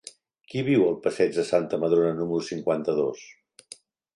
Qui viu al passeig de Santa Madrona número cinquanta-dos?